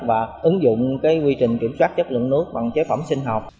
và ứng dụng quy trình kiểm soát chất lượng nước bằng chế phẩm sinh học